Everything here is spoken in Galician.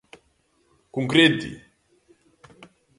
¡Concrete!